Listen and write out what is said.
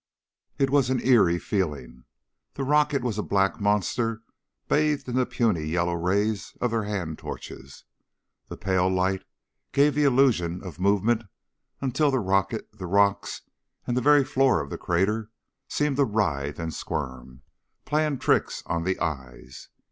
It was an eery feeling. The rocket was a black monster bathed in the puny yellow rays of their hand torches. The pale light gave the illusion of movement until the rocket, the rocks, and the very floor of the crater seemed to writhe and squirm, playing tricks on the eyes.